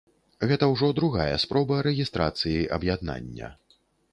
Гэта ўжо другая спроба рэгістрацыі аб'яднання.